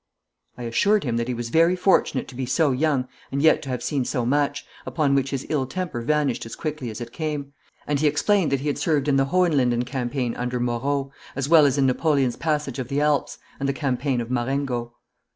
I assured him that he was very fortunate to be so young and yet to have seen so much, upon which his ill temper vanished as quickly as it came, and he explained that he had served in the Hohenlinden campaign under Moreau, as well as in Napoleon's passage of the Alps, and the campaign of Marengo.